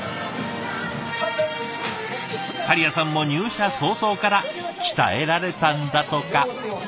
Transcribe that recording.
狩屋さんも入社早々から鍛えられたんだとか。